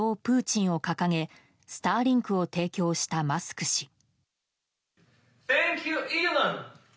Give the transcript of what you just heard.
プーチンを掲げスターリンクを提供したマスク氏。